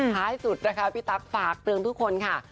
ท้ายสุดนะคะพี่ตั๊กฝากเตือนทุกคนค่ะ